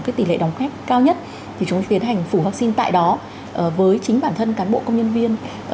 cái tỷ lệ đón khách cao nhất thì chúng ta tiến hành phủ vắc xin tại đó với chính bản thân cán bộ công nhân viên